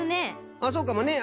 あっそうかもね。